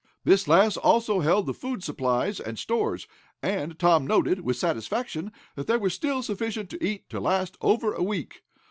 This last also held the food supplies and stores, and Tom noted, with satisfaction, that there was still sufficient to eat to last over a week.